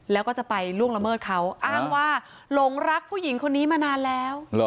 แล้วก็จะไปล่วงละเมิดเขาอ้างว่าหลงรักผู้หญิงคนนี้มานานแล้ว